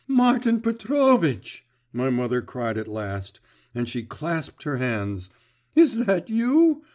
'Martin Petrovitch!' my mother cried at last, and she clasped her hands. 'Is that you?